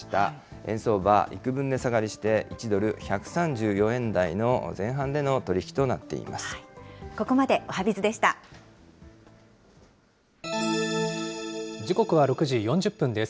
円相場いくぶん値下がりして、１ドル１３４円台の前半での取り引きとなっています。